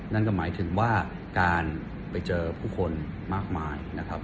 นั่นก็หมายถึงว่าการไปเจอผู้คนมากมายนะครับ